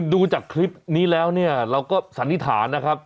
ดูจากคลิปนี้แล้วเนี่ยเราก็สันนิษฐานนะครับ